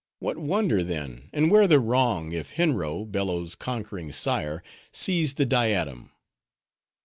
What wonder, then, and where the wrong, if Henro, Bello's conquering sire, seized the diadem?"